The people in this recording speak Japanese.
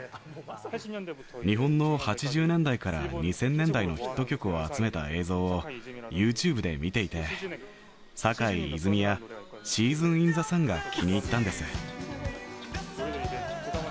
日本の８０年代から２０００年代のヒット曲を集めた映像を、ユーチューブで見ていて、坂井泉水やシーズン・イン・ザ・サンが気に入ったんです。